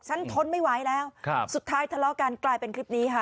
ทนไม่ไหวแล้วครับสุดท้ายทะเลาะกันกลายเป็นคลิปนี้ค่ะ